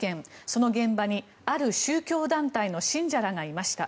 その現場にある宗教団体の信者らがいました。